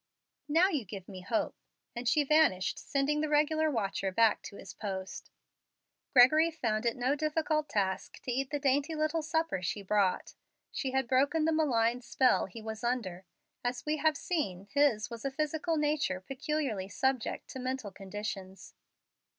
"Now you give me hope," and she vanished, sending the regular watcher back to his post. Gregory found it no difficult task to eat the dainty little supper she brought. She had broken the malign spell he was under. As we have seen, his was a physical nature peculiarly subject to mental conditions.